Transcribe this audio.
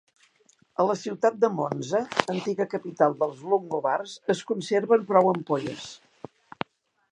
A la ciutat de Monza, antiga capital dels longobards, es conserven prou ampolles.